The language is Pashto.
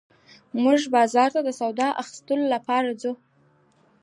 موږ بازار ته د سودا اخيستلو لپاره ځو